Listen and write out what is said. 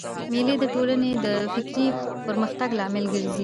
مېلې د ټولني د فکري پرمختګ لامل ګرځي.